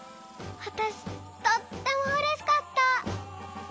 わたしとってもうれしかった。